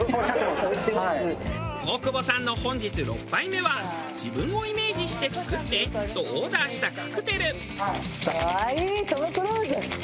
大久保さんの本日６杯目は「自分をイメージして作って」とオーダーしたカクテル。